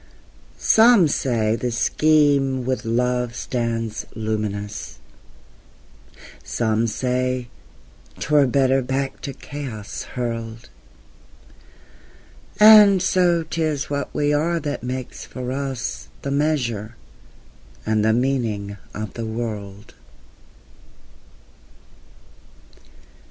Some say the Scheme with love stands luminous, Some say 't were better back to chaos hurled; And so 't is what we are that makes for us The measure and the meaning of the world.